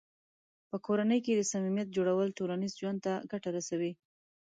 په کورنۍ کې د صمیمیت جوړول ټولنیز ژوند ته ګټه رسوي.